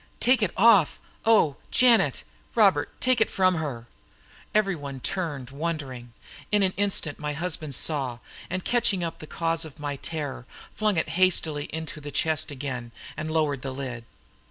"Take it off! O, Janet Robert take it from her!" Every one turned wondering. In an instant my husband saw, and catching up the cause of my terror, flung it hastily into the chest again, and lowered the lid.